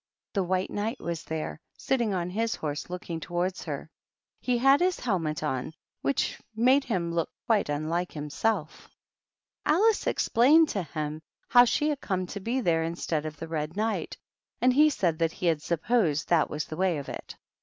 The White Knight was there, sitting on his horse looking towards her. He had his helmet on, which made him look quite unlike himself. THE PAGEANT. 299 Alice explained to him how she had come to be there instead of the Red Knight, and he said that he had supposed that was the way of it.